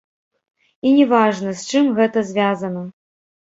І не важна, з чым гэта звязана.